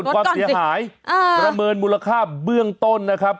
ความเสียหายประเมินมูลค่าเบื้องต้นนะครับ